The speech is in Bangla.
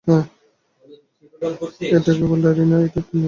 এটা কেবল ডাইরি না, এটা একটা ম্যাপ।